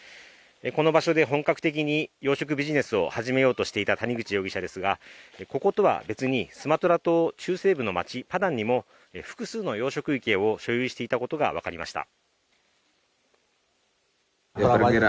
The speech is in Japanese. この場所で本格的に養殖ビジネスを始めようとしていた谷口容疑者ですが、こことは別に、スマトラ島中西部の町、パダンにも複数の養殖池を所有していたことが分かりました。